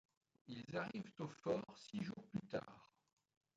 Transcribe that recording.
Ils arrivent au fort six jours plus tard.